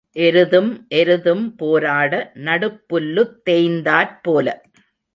எருதும் எருதும் போராட நடுப்புல்லுத் தேய்ந்தாற் போல.